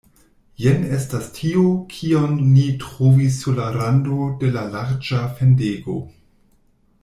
Jen estas tio, kion ni trovis sur la rando de larĝa fendego.